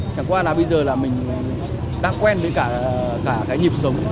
chẳng qua là bây giờ là mình đang quen với cả cái nhịp sống